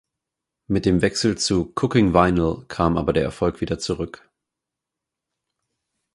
Mit dem Wechsel zu "Cooking Vinyl" kam aber der Erfolg wieder zurück.